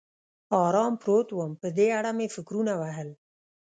ارام پروت ووم، په دې اړه مې فکرونه وهل.